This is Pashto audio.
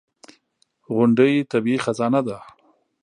• غونډۍ طبیعي خزانه لري.